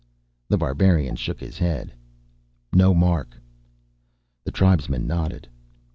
The Barbarian shook his head. "No mark." The tribesman nodded.